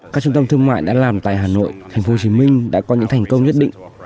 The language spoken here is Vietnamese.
các trung tâm thương mại đã làm tại hà nội thành phố hồ chí minh đã có những thành công nhất định